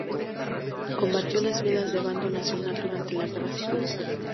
Combatió en las filas del bando nacional durante la Guerra Civil.